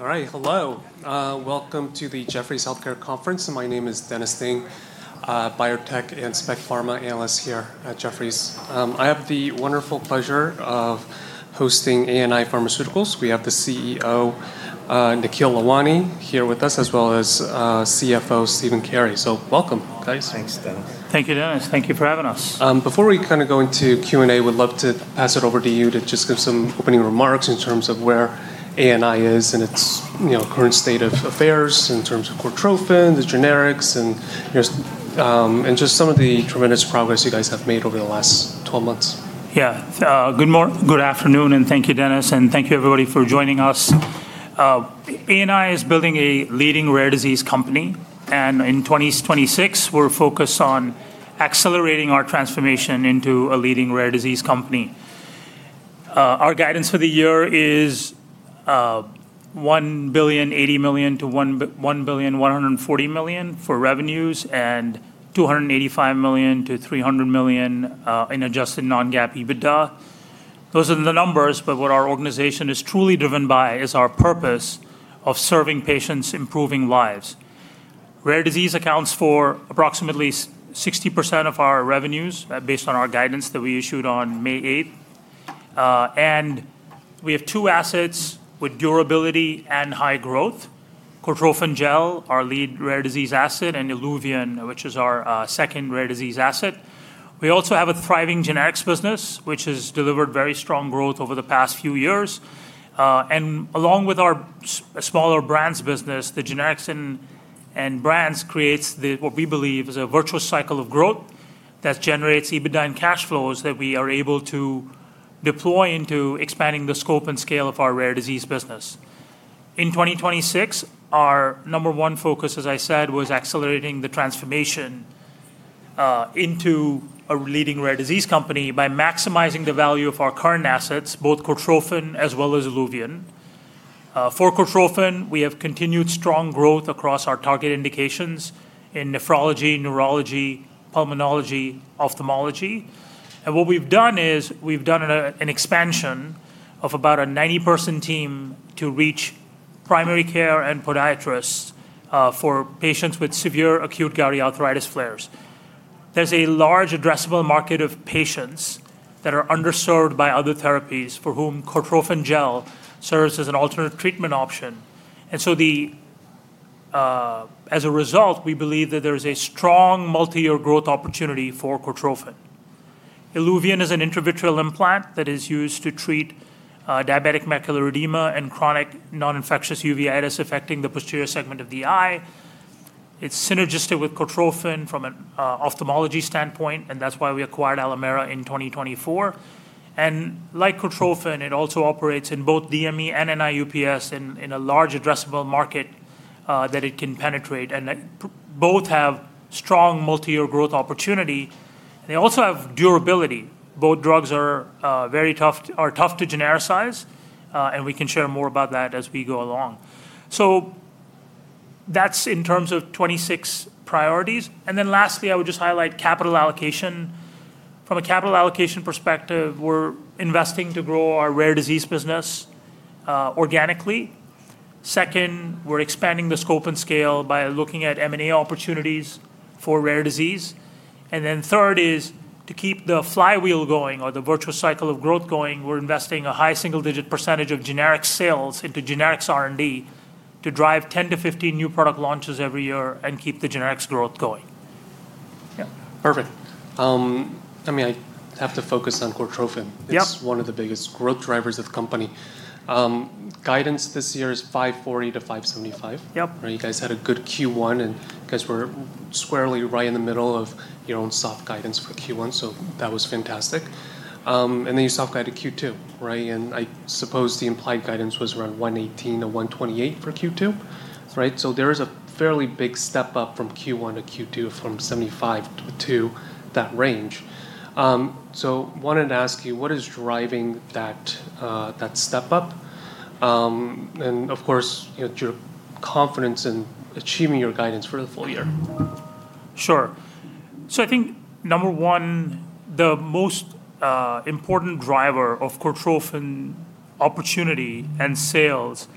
All right. Hello, welcome to the Jefferies Healthcare Conference. My name is Dennis Nie, biotech and spec pharma analyst here at Jefferies. I have the wonderful pleasure of hosting ANI Pharmaceuticals. We have the CEO, Nikhil Lalwani, here with us, as well as CFO, Stephen Carey. Welcome, guys. Thanks, Dennis. Thank you, Dennis. Thank you for having us. Before we go into Q&A, would love to pass it over to you to just give some opening remarks in terms of where ANI is in its current state of affairs in terms of Cortrophin, the generics, and just some of the tremendous progress you guys have made over the last 12 months. Yeah. Good afternoon, and thank you, Dennis, and thank you everybody for joining us. ANI is building a leading rare disease company, and in 2026, we're focused on accelerating our transformation into a leading rare disease company. Our guidance for the year is $1.08 billion to $1.14 billion for revenues, and $285 million-$300 million in adjusted non-GAAP EBITDA. Those are the numbers. What our organization is truly driven by is our purpose of serving patients, improving lives. Rare disease accounts for approximately 60% of our revenues based on our guidance that we issued on May 8th. We have two assets with durability and high growth, Cortrophin Gel, our lead rare disease asset, and ILUVIEN, which is our second rare disease asset. We also have a thriving generics business, which has delivered very strong growth over the past few years. Along with our smaller brands business, the generics and brands creates what we believe is a virtuous cycle of growth that generates EBITDA and cash flows that we are able to deploy into expanding the scope and scale of our rare disease business. In 2026, our number one focus, as I said, was accelerating the transformation into a leading rare disease company by maximizing the value of our current assets, both Cortrophin as well as ILUVIEN. For Cortrophin, we have continued strong growth across our target indications in nephrology, neurology, pulmonology, ophthalmology. What we've done is we've done an expansion of about a 90-person team to reach primary care and podiatrists for patients with severe acute gouty arthritis flares. There's a large addressable market of patients that are underserved by other therapies for whom Cortrophin Gel serves as an alternate treatment option. As a result, we believe that there is a strong multi-year growth opportunity for Cortrophin. ILUVIEN is an intravitreal implant that is used to treat diabetic macular edema and chronic non-infectious uveitis affecting the posterior segment of the eye. It's synergistic with Cortrophin from an ophthalmology standpoint, and that's why we acquired Alimera in 2024. Like Cortrophin, it also operates in both DME and NIU-PS in a large addressable market that it can penetrate, and both have strong multi-year growth opportunity. They also have durability. Both drugs are tough to genericize, and we can share more about that as we go along. That's in terms of 2026 priorities. Lastly, I would just highlight capital allocation. From a capital allocation perspective, we're investing to grow our rare disease business organically. Second, we're expanding the scope and scale by looking at M&A opportunities for rare disease. Third is to keep the flywheel going or the virtuous cycle of growth going, we're investing a high single-digit percentage of generic sales into generics R&D to drive 10 to 15 new product launches every year and keep the generics growth going. Yeah. Perfect. I have to focus on Cortrophin. Yep. It's one of the biggest growth drivers of the company. Guidance this year is $540 million to $575 million. Yep. You guys had a good Q1. You guys were squarely right in the middle of your own soft guidance for Q1. That was fantastic. You soft-guided Q2, right? I suppose the implied guidance was around $118 to $128 for Q2, right? There is a fairly big step-up from Q1 to Q2 from $75 to that range. Wanted to ask you, what is driving that step-up, and of course, your confidence in achieving your guidance for the full year? I think number one, the most important driver of Cortrophin opportunity and sales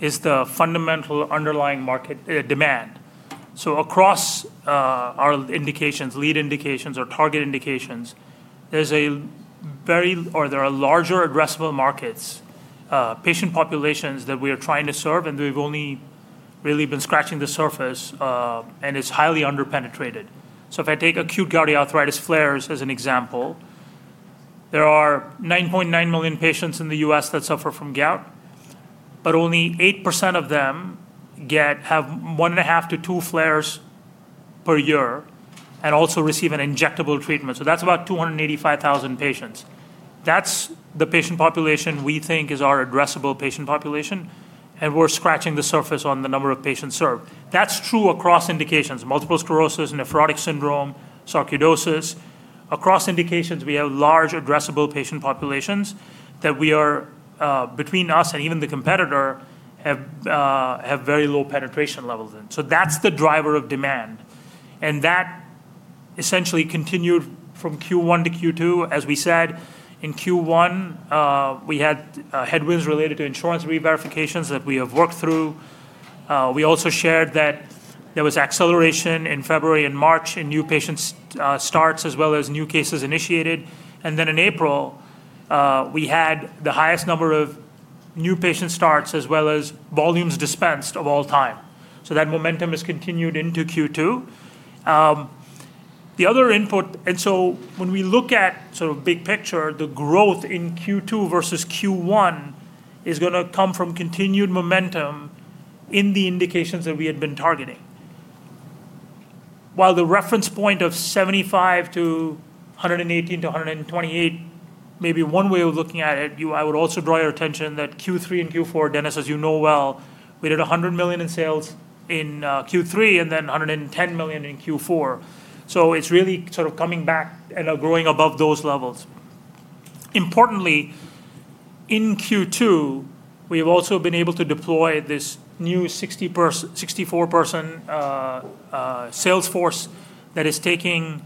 is the fundamental underlying market demand. Across our lead indications or target indications, there are larger addressable markets, patient populations that we are trying to serve, and we've only really been scratching the surface, and it's highly under-penetrated. If I take acute gouty arthritis flares as an example, there are nine point nine million patients in the U.S. that suffer from gout, but only eight percent of them have one and a half to two flares per year and also receive an injectable treatment. That's about 285,000 patients. That's the patient population we think is our addressable patient population, and we're scratching the surface on the number of patients served. That's true across indications, multiple sclerosis, nephrotic syndrome, sarcoidosis. Across indications, we have large addressable patient populations that between us and even the competitor have very low penetration levels in. That's the driver of demand, and that essentially continued from Q1 to Q2. As we said, in Q1, we had headwinds related to insurance reverifications that we have worked through. We also shared that there was acceleration in February and March in new patient starts, as well as new cases initiated. In April, we had the highest number of new patient starts, as well as volumes dispensed of all time. That momentum has continued into Q2. When we look at big picture, the growth in Q2 versus Q1 is going to come from continued momentum in the indications that we had been targeting. While the reference point of 75 to 118 to 128 may be one way of looking at it, I would also draw your attention that Q3 and Q4, Dennis, as you know well, we did $100 million in sales in Q3 and then $110 million in Q4. It's really coming back and growing above those levels. Importantly, in Q2, we've also been able to deploy this new 64-person sales force that is taking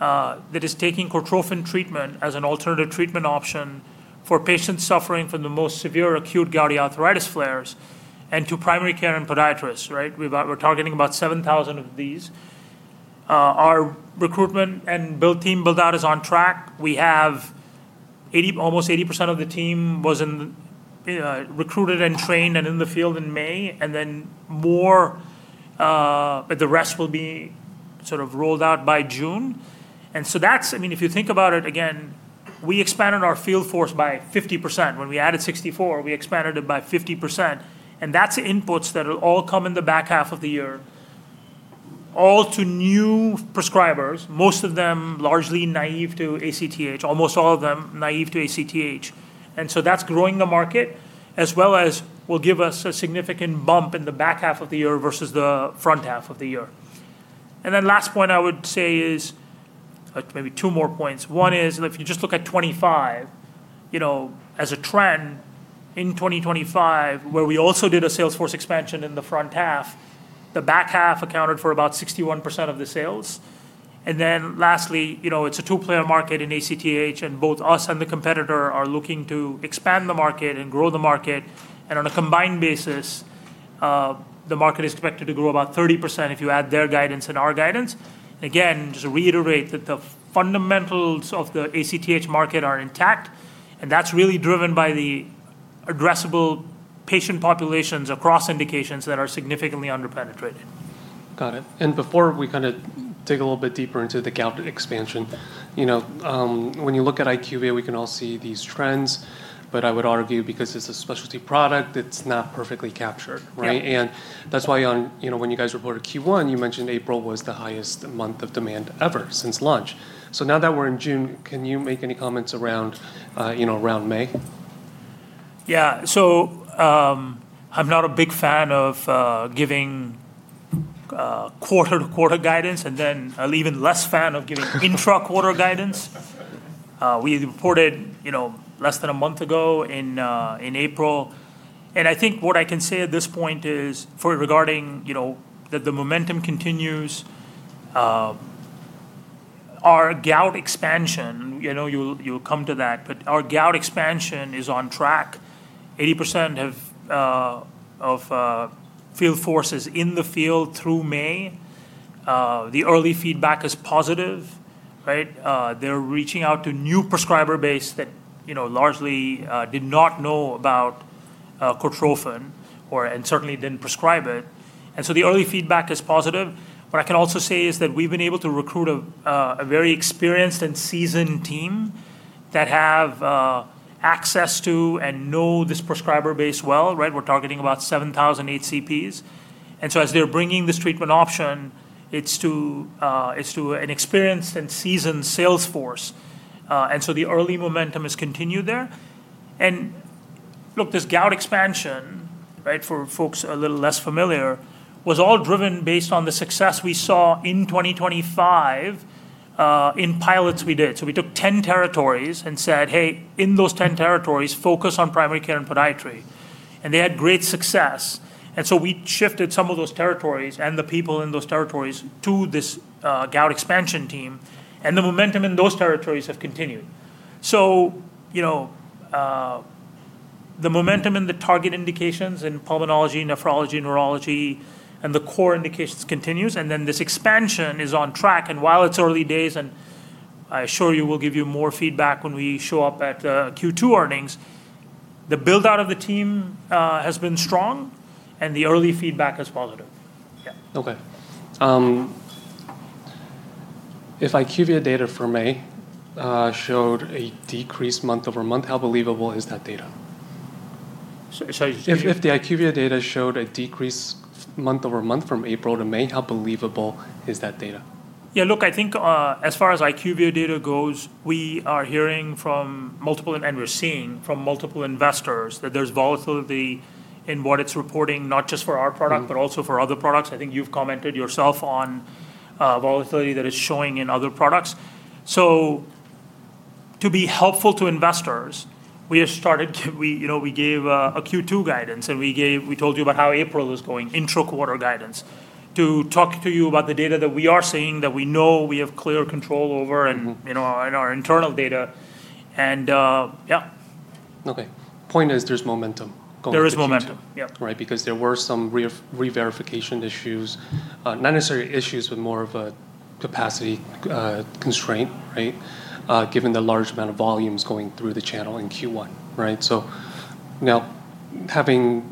Cortrophin treatment as an alternative treatment option for patients suffering from the most severe acute gouty arthritis flares and to primary care and podiatrists. We're targeting about 7,000 of these. Our recruitment and build team build-out is on track. Almost 80% of the team was recruited and trained and in the field in May, and then the rest will be rolled out by June. If you think about it, again, we expanded our field force by 50%. When we added 64, we expanded it by 50%. That's inputs that'll all come in the back half of the year, all to new prescribers, most of them largely naive to ACTH, almost all of them naive to ACTH. That's growing the market as well as will give us a significant bump in the back half of the year versus the front half of the year. Last point I would say is, maybe two more points. One is if you just look at 2025, as a trend in 2025, where we also did a sales force expansion in the front half, the back half accounted for about 61% of the sales. Lastly, it's a two-player market in ACTH, and both us and the competitor are looking to expand the market and grow the market. On a combined basis, the market is expected to grow about 30% if you add their guidance and our guidance. Again, just to reiterate that the fundamentals of the ACTH market are intact, That's really driven by the addressable patient populations across indications that are significantly under-penetrated. Got it. Before we dig a little bit deeper into the gout expansion, when you look at IQVIA, we can all see these trends, but I would argue because it's a specialty product, it's not perfectly captured, right? That's why when you guys reported Q1, you mentioned April was the highest month of demand ever since launch. Now that we're in June, can you make any comments around May? Yeah. I'm not a big fan of giving quarter-to-quarter guidance, and then an even less fan of giving intra-quarter guidance. We reported less than a month ago in April. I think what I can say at this point is regarding that the momentum continues. Our gout expansion, you'll come to that, our gout expansion is on track. 80% of field force is in the field through May. The early feedback is positive. They're reaching out to new prescriber base that largely did not know about Cortrophin and certainly didn't prescribe it. The early feedback is positive. What I can also say is that we've been able to recruit a very experienced and seasoned team that have access to and know this prescriber base well. We're targeting about 7,000 HCPs. As they're bringing this treatment option, it's to an experienced and seasoned sales force. The early momentum has continued there. Look, this gout expansion, for folks a little less familiar, was all driven based on the success we saw in 2025 in pilots we did. We took 10 territories and said, "Hey, in those 10 territories, focus on primary care and podiatry." They had great success. We shifted some of those territories and the people in those territories to this gout expansion team, and the momentum in those territories have continued. The momentum in the target indications in pulmonology, nephrology, neurology, and the core indications continues, and then this expansion is on track. While it's early days, and I assure you we'll give you more feedback when we show up at Q2 earnings, the build-out of the team has been strong and the early feedback is positive. Yeah. Okay. If IQVIA data for May showed a decreased month-over-month, how believable is that data? Sorry? If the IQVIA data showed a decrease month-over-month from April to May, how believable is that data? Look, I think as far as IQVIA data goes, we are hearing and we're seeing from multiple investors that there's volatility in what it's reporting, not just for our product, but also for other products. I think you've commented yourself on volatility that is showing in other products. To be helpful to investors, we gave a Q2 guidance, and we told you about how April was going, intro quarter guidance, to talk to you about the data that we are seeing, that we know we have clear control over. in our internal data. Yeah. Okay. Point is there's momentum going into Q2. There is momentum, yeah. Right. There were some re-verification issues, not necessarily issues, but more of a capacity constraint, right, given the large amount of volumes going through the channel in Q1. Right. Now, I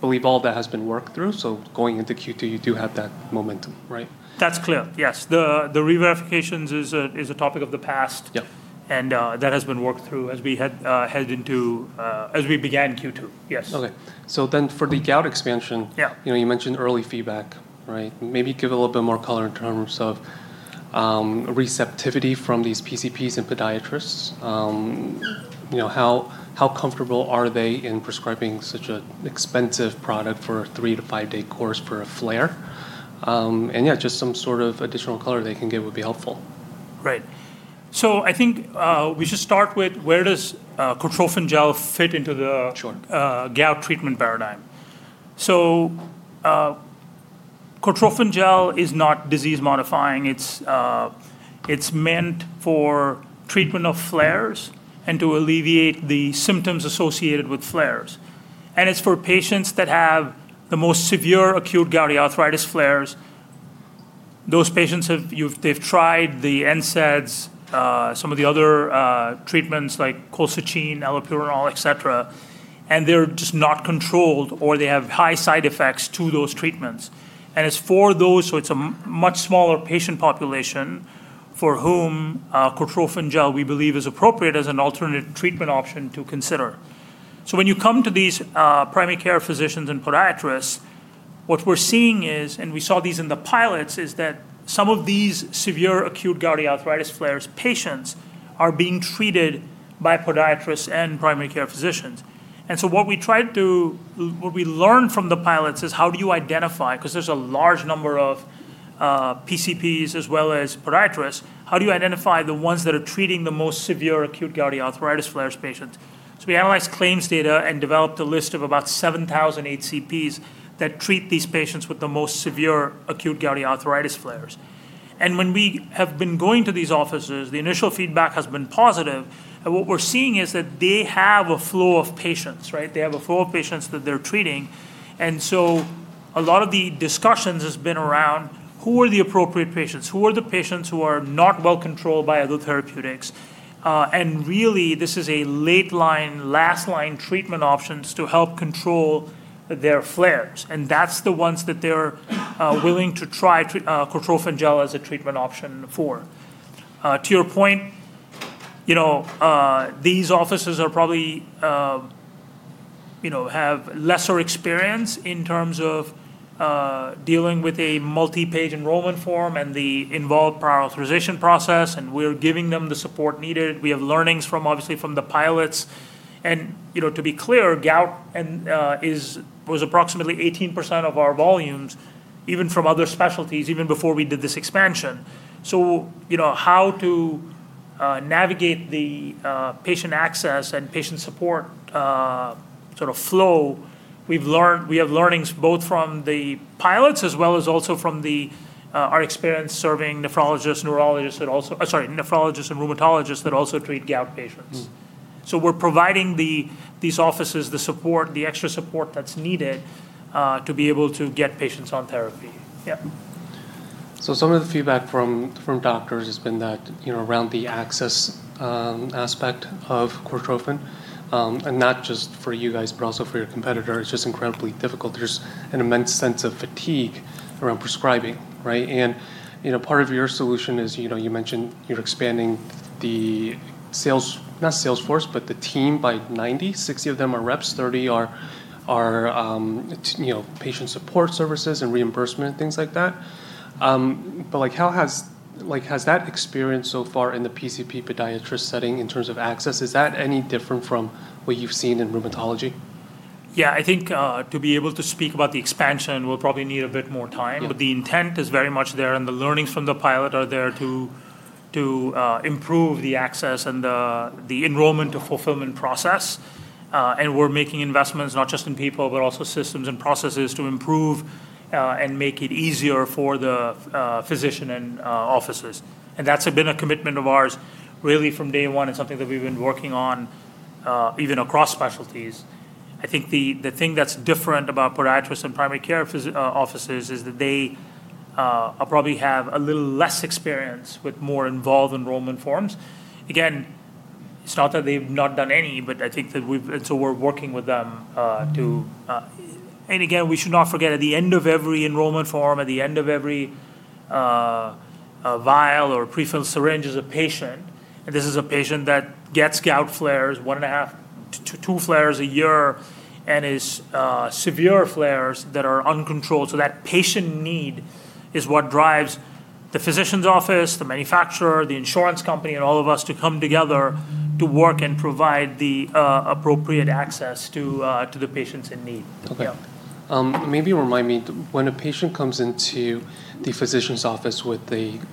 believe all that has been worked through, so going into Q2, you do have that momentum, right. That's clear. Yes. The re-verifications is a topic of the past. Yeah. That has been worked through as we began Q2. Yes. Okay. for the gout expansion- Yeah You mentioned early feedback, right? Maybe give a little bit more color in terms of receptivity from these PCPs and podiatrists. How comfortable are they in prescribing such an expensive product for a three-to-five-day course for a flare? Yeah, just some sort of additional color they can give would be helpful. Great. I think we should start with where does Cortrophin Gel fit into. gout treatment paradigm. Cortrophin Gel is not disease modifying. It's meant for treatment of flares and to alleviate the symptoms associated with flares. It's for patients that have the most severe acute gouty arthritis flares. Those patients have tried the NSAIDs, some of the other treatments like colchicine, allopurinol, et cetera, and they're just not controlled, or they have high side effects to those treatments. It's for those, so it's a much smaller patient population, for whom Cortrophin Gel, we believe, is appropriate as an alternative treatment option to consider. When you come to these primary care physicians and podiatrists, what we're seeing is, and we saw these in the pilots, is that some of these severe acute gouty arthritis flares patients are being treated by podiatrists and primary care physicians. What we learned from the pilots is how do you identify, because there's a large number of PCPs as well as podiatrists, how do you identify the ones that are treating the most severe acute gouty arthritis flares patients? We analyzed claims data and developed a list of about 7,000 HCPs that treat these patients with the most severe acute gouty arthritis flares. When we have been going to these offices, the initial feedback has been positive, and what we're seeing is that they have a flow of patients, right? They have a flow of patients that they're treating. A lot of the discussions has been around who are the appropriate patients, who are the patients who are not well-controlled by other therapeutics. Really, this is a late line, last line treatment options to help control their flares. That's the ones that they're willing to try Cortrophin Gel as a treatment option for. To your point, these offices probably have lesser experience in terms of dealing with a multi-page enrollment form and the involved prior authorization process, and we're giving them the support needed. We have learnings, obviously, from the pilots. To be clear, gout was approximately 18% of our volumes, even from other specialties, even before we did this expansion. How to navigate the patient access and patient support sort of flow, we have learnings both from the pilots as well as also from our experience serving nephrologists, neurologists that also Oh, sorry, nephrologists and rheumatologists that also treat gout patients. We're providing these offices the support, the extra support that's needed, to be able to get patients on therapy. Some of the feedback from doctors has been that around the access aspect of Cortrophin, and not just for you guys, but also for your competitor, it's just incredibly difficult. There's an immense sense of fatigue around prescribing, right? Part of your solution is, you mentioned you're expanding the sales, not sales force, but the team by 90. 60 of them are reps, 30 are patient support services and reimbursement, things like that. Has that experience so far in the PCP podiatrist setting in terms of access, is that any different from what you've seen in rheumatology? Yeah, I think, to be able to speak about the expansion, we'll probably need a bit more time. The intent is very much there, and the learnings from the pilot are there to improve the access and the enrollment-to-fulfillment process. We're making investments not just in people, but also systems and processes to improve, and make it easier for the physician and offices. That's been a commitment of ours really from day one. It's something that we've been working on even across specialties. I think the thing that's different about podiatrists and primary care offices is that they probably have a little less experience with more involved enrollment forms. It's not that they've not done any, but I think that we're working with them to. Again, we should not forget at the end of every enrollment form, at the end of every vial or prefilled syringe is a patient, and this is a patient that gets gout flares, one and a half to two flares a year, and is severe flares that are uncontrolled. That patient need is what drives the physician's office, the manufacturer, the insurance company, and all of us to come together to work and provide the appropriate access to the patients in need. Okay. Maybe remind me, when a patient comes into the physician's office with an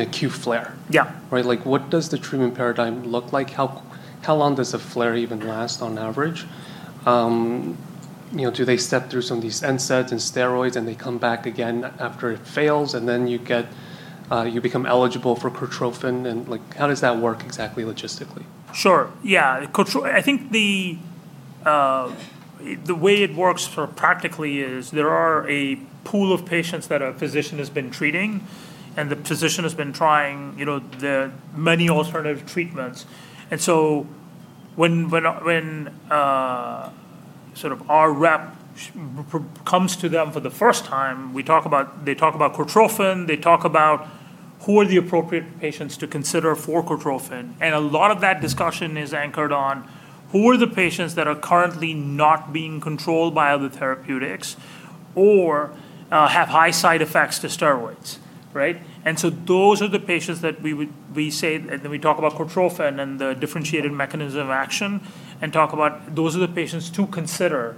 acute flare. Yeah What does the treatment paradigm look like? How long does a flare even last on average? Do they step through some of these NSAIDs and steroids, and they come back again after it fails, and then you become eligible for Cortrophin? How does that work exactly logistically? Sure. Yeah. I think the way it works practically is there are a pool of patients that a physician has been treating, and the physician has been trying the many alternative treatments. When our rep comes to them for the first time, they talk about Cortrophin, they talk about who are the appropriate patients to consider for Cortrophin. A lot of that discussion is anchored on who are the patients that are currently not being controlled by other therapeutics or have high side effects to steroids, right. Those are the patients that we say, and then we talk about Cortrophin and the differentiated mechanism of action, and talk about those are the patients to consider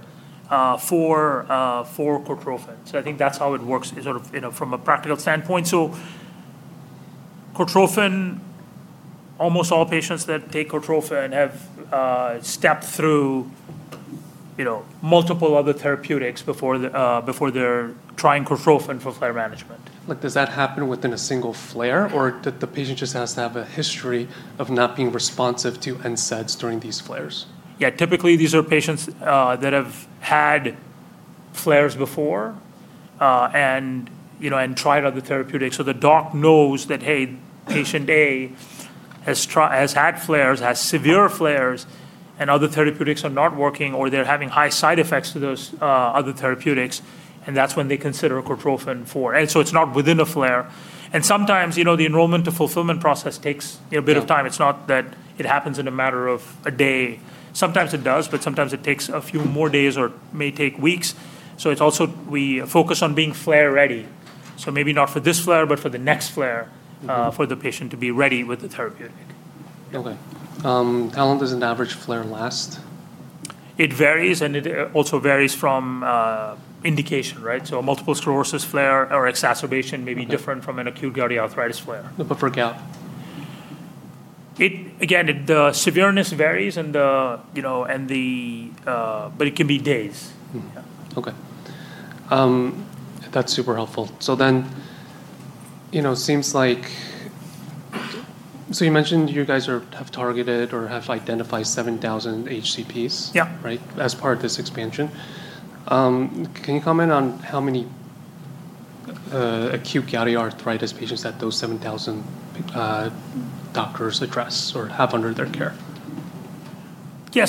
for Cortrophin. I think that's how it works from a practical standpoint. Almost all patients that take Cortrophin have stepped through multiple other therapeutics before they're trying Cortrophin for flare management. Does that happen within a single flare, or the patient just has to have a history of not being responsive to NSAIDs during these flares? Yeah, typically, these are patients that have had flares before, and tried other therapeutics. The doc knows that, hey, patient A has had flares, has severe flares, and other therapeutics are not working, or they're having high side effects to those other therapeutics. That's when they consider Cortrophin. It's not within a flare. Sometimes, the enrollment to fulfillment process takes a bit of time. It's not that it happens in a matter of a day. Sometimes it does, but sometimes it takes a few more days or may take weeks. It's also we focus on being flare-ready. Maybe not for this flare, but for the next flare. for the patient to be ready with the therapeutic. Okay. How long does an average flare last? It varies, and it also varies from indication, right? A multiple sclerosis flare or exacerbation may be different. from an acute gouty arthritis flare. For gout. The severity varies, but it can be days. Okay. That's super helpful. You mentioned you guys have targeted or have identified 7,000 HCPs. Yeah Right? As part of this expansion, can you comment on how many acute gouty arthritis patients that those 7,000 doctors address or have under their care? Yeah.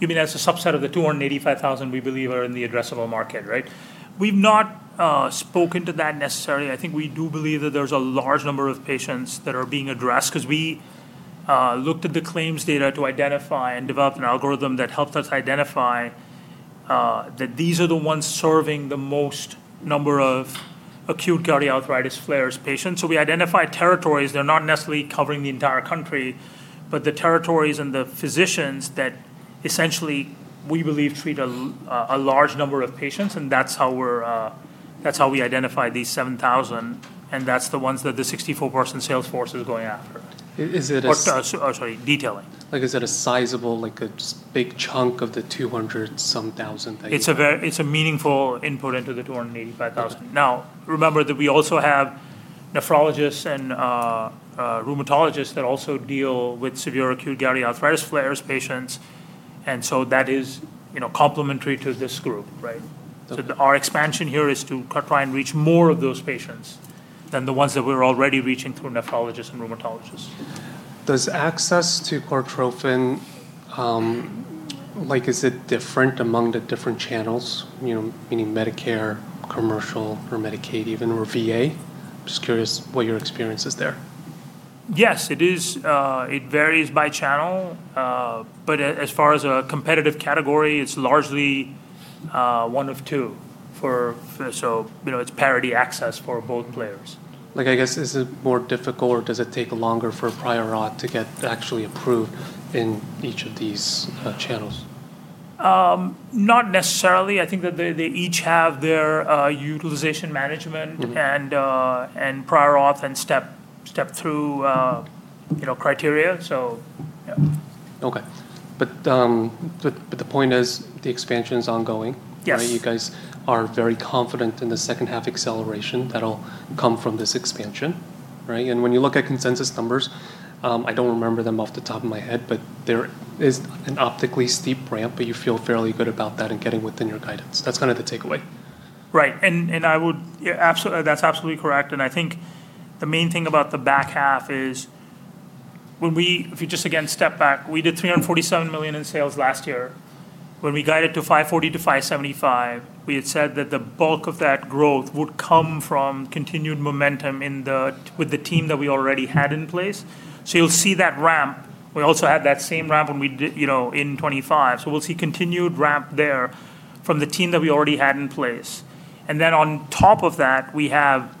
You mean as a subset of the 285,000 we believe are in the addressable market, right? We've not spoken to that necessarily. I think we do believe that there's a large number of patients that are being addressed because we looked at the claims data to identify and develop an algorithm that helped us identify that these are the ones serving the most number of acute gouty arthritis flares patients. We identified territories. They're not necessarily covering the entire country, the territories and the physicians that essentially, we believe, treat a large number of patients, and that's how we identify these 7,000, and that's the ones that the 64-person sales force is going after. Is it a Sorry, detailing is it a sizable, like a big chunk of the 200-some thousand that you have? It's a meaningful input into the $285,000. Okay. Remember that we also have nephrologists and rheumatologists that also deal with severe acute gouty arthritis flares patients, and so that is complementary to this group, right? Our expansion here is to try and reach more of those patients than the ones that we're already reaching through nephrologists and rheumatologists. Does access to Cortrophin, is it different among the different channels, meaning Medicare, commercial, or Medicaid even, or VA? Just curious what your experience is there. Yes, it varies by channel. As far as a competitive category, it's largely one of two. It's parity access for both players. I guess, is it more difficult, or does it take longer for prior auth to get actually approved in each of these channels? Not necessarily. I think that they each have their utilization management- Prior auth, and step-through criteria. Yeah. Okay. The point is the expansion's ongoing. Yes. Right? You guys are very confident in the second-half acceleration that'll come from this expansion, right? When you look at consensus numbers, I don't remember them off the top of my head, but there is an optically steep ramp, but you feel fairly good about that and getting within your guidance. That's kind of the takeaway. Right. That's absolutely correct. I think the main thing about the back half is if you just, again, step back, we did $347 million in sales last year. When we guided to $540 million to $575 million, we had said that the bulk of that growth would come from continued momentum with the team that we already had in place. You'll see that ramp. We also had that same ramp in 2025. We'll see continued ramp there from the team that we already had in place. Then on top of that, we have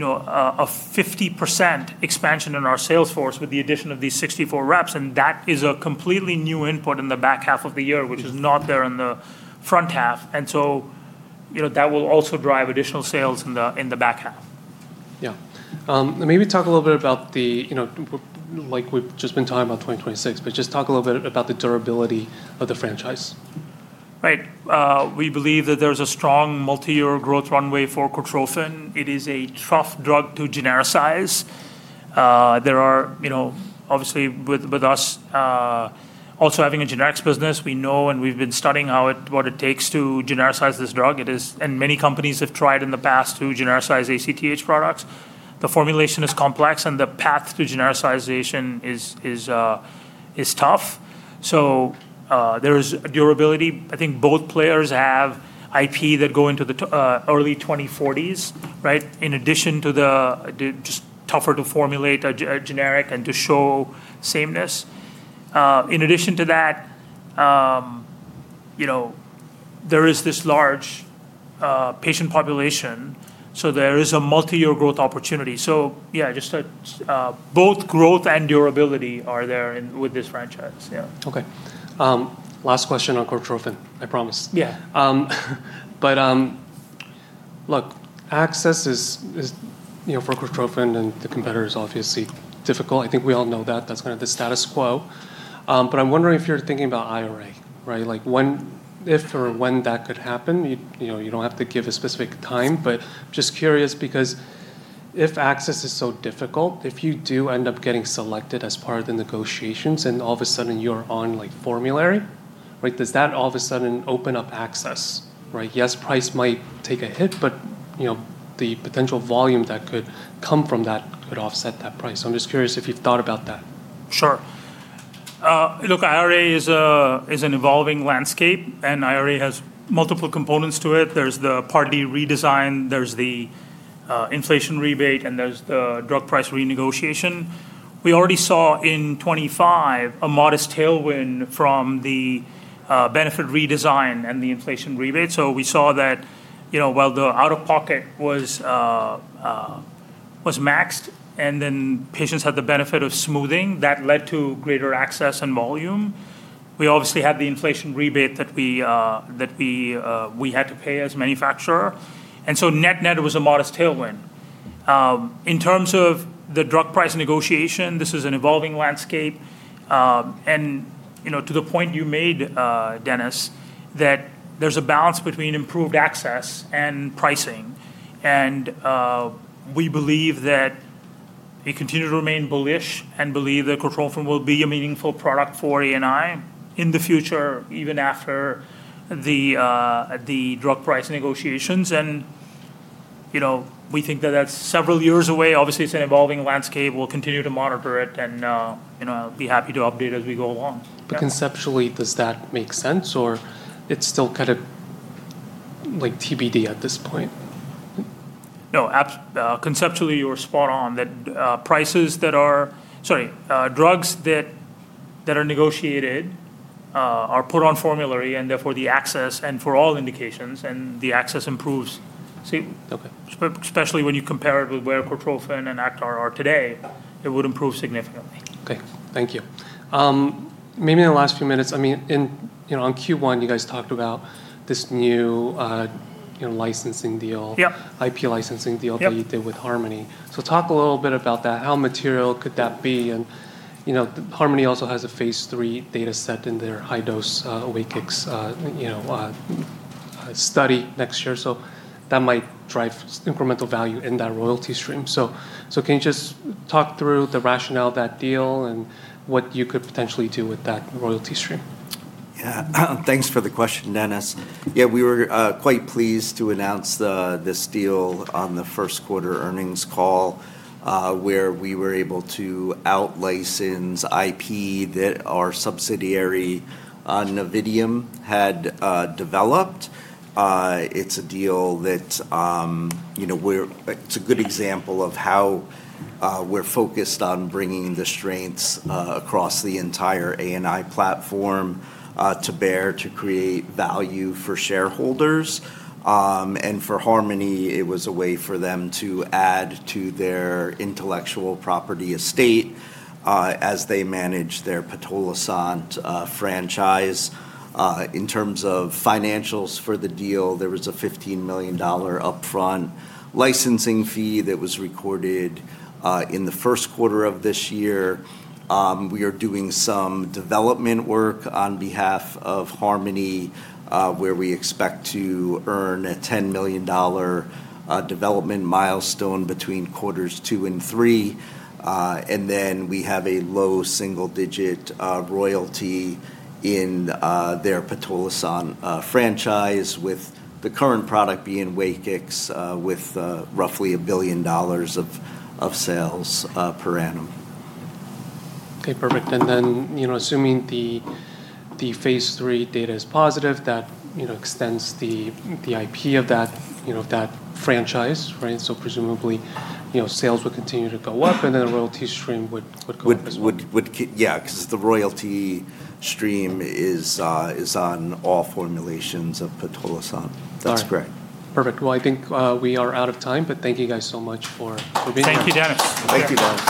a 50% expansion in our sales force with the addition of these 64 reps, and that is a completely new input in the back half of the year, which is not there in the front half. That will also drive additional sales in the back half. Yeah. Maybe talk a little bit about the, like we've just been talking about 2026, but just talk a little bit about the durability of the franchise. Right. We believe that there's a strong multi-year growth runway for Cortrophin. It is a tough drug to genericize. Obviously with us also having a generics business, we know and we've been studying what it takes to genericize this drug. Many companies have tried in the past to genericize ACTH products. The formulation is complex, and the path to genericization is tough, so there is durability. I think both players have IP that go into the early 2040s, right? In addition to the, just tougher to formulate a generic and to show sameness. In addition to that, there is this large patient population, so there is a multi-year growth opportunity. Yeah, just that both growth and durability are there with this franchise. Yeah. Okay. Last question on Cortrophin, I promise. Yeah. Look, access for Cortrophin and the competitor is obviously difficult. I think we all know that. That's kind of the status quo. I'm wondering if you're thinking about IRA, right? If or when that could happen, you don't have to give a specific time, but just curious because if access is so difficult, if you do end up getting selected as part of the negotiations and all of a sudden you're on formulary, right? Does that all of a sudden open up access, right? Yes, price might take a hit, but the potential volume that could come from that could offset that price. I'm just curious if you've thought about that. Sure. Look, IRA is an evolving landscape. IRA has multiple components to it. There's the Part D redesign, there's the inflation rebate, and there's the drug price renegotiation. We already saw in 2025 a modest tailwind from the benefit redesign and the inflation rebate. We saw that, while the out-of-pocket was maxed and then patients had the benefit of smoothing, that led to greater access and volume. We obviously had the inflation rebate that we had to pay as manufacturer. Net-net was a modest tailwind. In terms of the drug price negotiation, this is an evolving landscape. To the point you made, Dennis, that there's a balance between improved access and pricing. We believe that we continue to remain bullish and believe that Cortrophin will be a meaningful product for ANI in the future, even after the drug price negotiations and we think that that's several years away. Obviously, it's an evolving landscape. We'll continue to monitor it and I'll be happy to update as we go along. Yeah. Conceptually, does that make sense, or it's still kind of TBD at this point? No, conceptually you are spot on. Drugs that are negotiated are put on formulary and therefore the access and for all indications and the access improves. Okay especially when you compare it with where Cortrophin and Acthar are today, it would improve significantly. Okay. Thank you. Maybe in the last few minutes, on Q1 you guys talked about this licensing deal. Yep IP licensing deal that you did with Harmony. Talk a little bit about that. How material could that be? Harmony also has a phase III data set in their high-dose WAKIX study next year, so that might drive incremental value in that royalty stream. Can you just talk through the rationale of that deal and what you could potentially do with that royalty stream? Yeah. Thanks for the question, Dennis. Yeah, we were quite pleased to announce this deal on the first quarter earnings call, where we were able to out-license IP that our subsidiary Novitium had developed. It's a good example of how we're focused on bringing the strengths across the entire ANI platform to bear to create value for shareholders. For Harmony, it was a way for them to add to their intellectual property estate as they manage their pitolisant franchise. In terms of financials for the deal, there was a $15 million upfront licensing fee that was recorded in the first quarter of this year. We are doing some development work on behalf of Harmony, where we expect to earn a $10 million development milestone between quarters two and three. We have a low single-digit royalty in their pitolisant franchise, with the current product being WAKIX, with roughly $1 billion of sales per annum. Okay, perfect. Assuming the phase III data is positive, that extends the IP of that franchise, right? Presumably, sales will continue to go up and then the royalty stream would go up as well. Yeah, because the royalty stream is on all formulations of pitolisant. All right. That's correct. Perfect. Well, I think we are out of time, but thank you guys so much for being here. Thank you, Dennis. Thank you, Dennis.